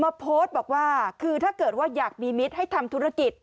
โพสต์บอกว่าคือถ้าเกิดว่าอยากมีมิตรให้ทำธุรกิจ